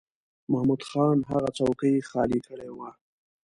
محمود خان هغه څوکۍ خالی کړې وه.